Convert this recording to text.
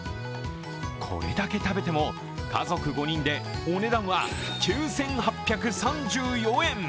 これだけ食べても家族５人でお値段は９８３４円！